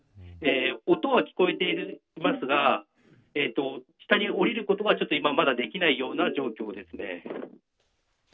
音は聞こえていますが下に下りることは、今はまだできないような状況です。